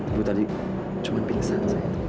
ibu tadi cuma pingsan